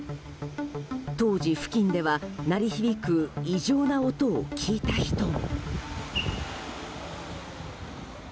当時、付近では鳴り響く異常な音を聞いた人も。